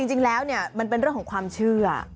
จริงแล้วเนี่ยมันเป็นเรื่องของความเชื่อ